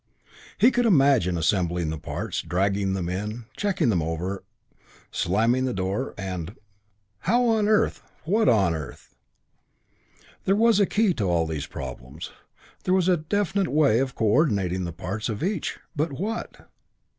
He could be imagined assembling the parts, dragging them in, checking them over, slamming the door, and "How on earth? What on earth?" There was a key to all these problems. There was a definite way of coördinating the parts of each. But what?